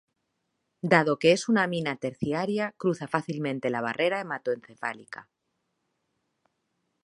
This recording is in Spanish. Dado que es una amina terciaria, cruza fácilmente la barrera hematoencefálica.